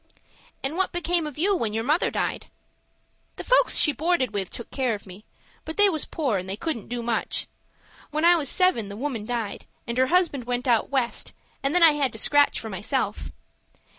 "And what became of you when your mother died?" "The folks she boarded with took care of me, but they was poor, and they couldn't do much. When I was seven the woman died, and her husband went out West, and then I had to scratch for myself."